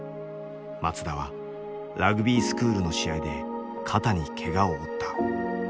松田はラグビースクールの試合で肩にけがを負った。